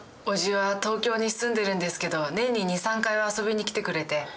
叔父は東京に住んでるんですけど年に２３回は遊びに来てくれて。